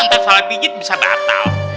ntar salah mijit bisa batal